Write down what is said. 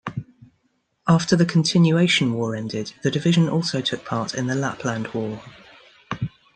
After the Continuation War ended, the division also took part in the Lapland War.